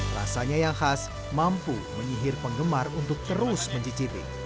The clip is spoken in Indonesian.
rasanya yang khas mampu menyihir penggemar untuk terus mencicipi